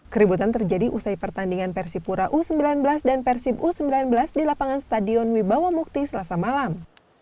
keributan terjadi usai pertandingan persipura u sembilan belas dan persib u sembilan belas di lapangan stadion wibawa mukti selasa malam